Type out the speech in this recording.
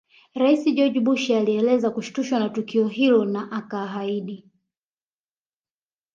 Rais George Bush alieleza kushtushwa na tukio hilo na akaahidi